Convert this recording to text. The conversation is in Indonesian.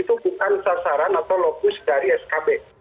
itu bukan sasaran atau lokus dari skb